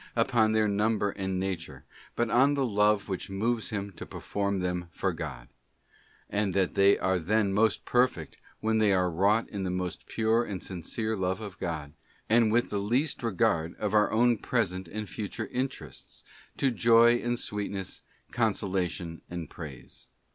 BOOK depend on their number, and nature, but on the love which moves him to perform them for God; and that they are then quod vis most perfect when they are wrought in the most pure and sincere love of God, and with the least regard to our own present and future interests, to joy and sweetness, consolation and praise.